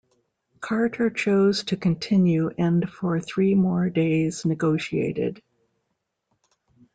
Carter chose to continue and for three more days negotiated.